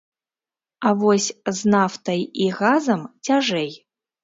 А вось з нафтай і газам цяжэй.